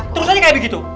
terus aja kayak begitu